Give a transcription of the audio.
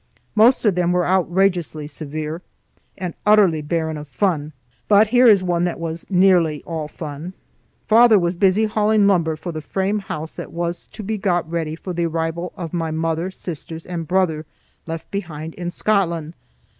Most of them were outrageously severe, and utterly barren of fun. But here is one that was nearly all fun. Father was busy hauling lumber for the frame house that was to be got ready for the arrival of my mother, sisters, and brother, left behind in Scotland.